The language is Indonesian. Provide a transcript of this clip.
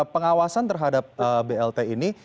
pengawasan terhadap blt ini